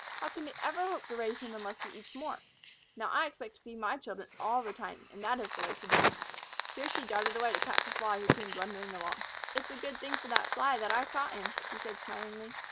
How can they ever hope to raise him unless he eats more? Now, I expect to feed my children all the time, and that is the way to do." Here she darted away to catch a Fly who came blundering along. "It's a good thing for that Fly that I got him," she said, smilingly.